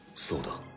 そうだ